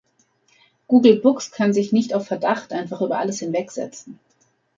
Google Books kann sich nicht auf Verdacht einfach über alles hinwegsetzen.